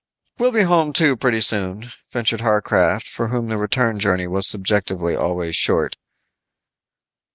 "We'll be home, too, pretty soon," ventured Harcraft, for whom the return journey was subjectively always short.